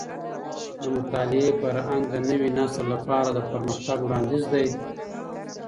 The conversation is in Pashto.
د مطالعې فرهنګ د نوي نسل لپاره د پرمختګ وړاندیز دی.